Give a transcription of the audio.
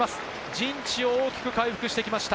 陣地を大きく回復してきました。